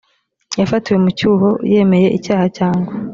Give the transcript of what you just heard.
yafatiwe mu cyuho yemeye icyaha cyangwa